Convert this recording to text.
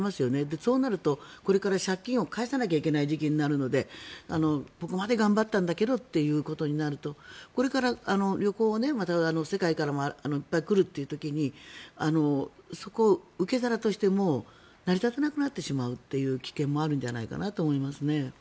そうなるとこれから借金を返さなきゃいけない時期になるのでここまで頑張ったんだけどということになるとこれから旅行をまた世界からいっぱい来るという時にそこが受け皿として成り立たなくなってしまうという危険もあるんじゃないかなと思います。